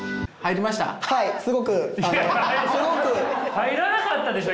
入らなかったでしょ？